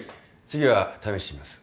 次は試してみます。